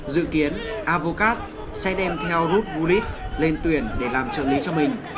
dự kiến advocat sẽ đem theo ruth bullitt lên tuyển để làm trợ lý cho mình